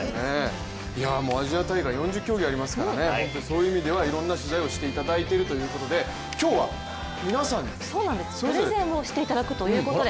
アジア大会４０競技ありますから、そういう意味ではいろんな取材をしていただいているということで今日は皆さんに、それぞれプレゼンをしていただくということで。